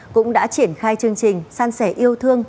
cũng đã triển khai chương trình san sẻ yêu thương